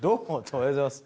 おはようございます。